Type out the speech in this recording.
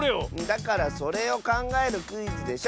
だからそれをかんがえるクイズでしょ。